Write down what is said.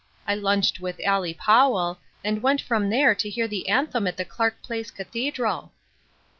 I lunched with Allie Powell, and went from there to hear the an them at the Clark Place Cathedral."